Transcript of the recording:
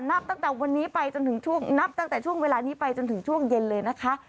นับตั้งแต่วันนี้ไปจนถึงช่วงนับตั้งแต่ช่วงเวลานี้ไปจนถึงช่วงเย็นเลยนะคะ